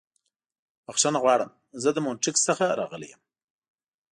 بښنه غواړم. زه د مونټریکس څخه راغلی یم.